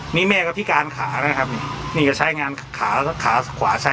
นี่แม่ก็พิการขานะครับนี่ก็ใช้งานขาขวาใช้